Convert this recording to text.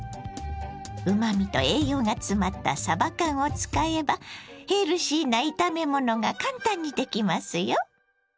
うまみと栄養が詰まったさば缶を使えばヘルシーな炒め物が簡単にできますよ！